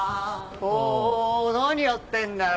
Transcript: おうおう何やってんだよ。